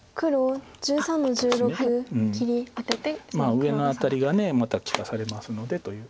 上のアタリがまた利かされますのでという。